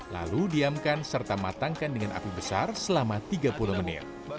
lalu diamkan serta matangkan dengan api besar selama tiga puluh menit